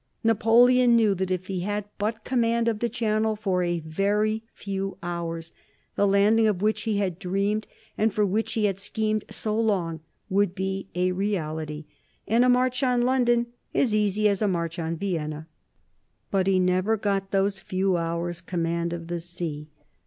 Napoleon knew that if he had but command of the Channel for a very few hours the landing of which he had dreamed, and for which he had schemed so long, would be a reality, and a march on London as easy as a march on Vienna. But he never got those few hours' command of the sea.